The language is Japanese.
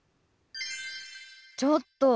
ちょっと！